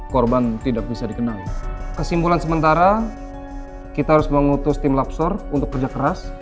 korban tidak bisa dikenali kesimpulan sementara kita harus mengutus tim labsor untuk kerja keras